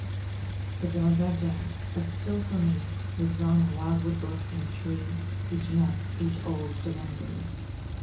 The gods are dead; but still for me Lives on in wildwood brook and tree Each myth, each old divinity.